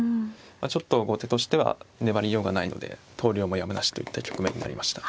ちょっと後手としては粘りようがないので投了もやむなしといった局面になりました。